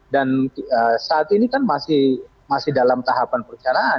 dan saat ini kan masih dalam tahapan percaraan